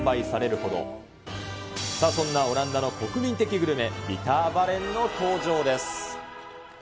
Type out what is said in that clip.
さあ、そんなオランダの国民的グルメ、ビターバレンの登場です。